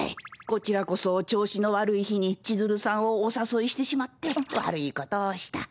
こちらこそ調子の悪い日に千鶴さんをお誘いしてしまって悪いことをした。